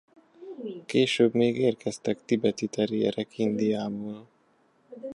Később még érkeztek tibeti terrierek Indiából.